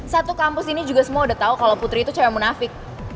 satu kampus ini juga semua udah tahu kalau putri itu cewek munafik